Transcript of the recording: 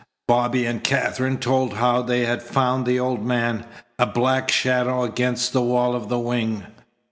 Bobby and Katherine told how they had found the old man, a black shadow against the wall of the wing.